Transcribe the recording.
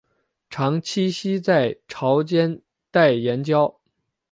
常栖息在潮间带岩礁。